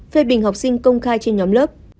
phê bình học sinh công khai trên nhóm lớp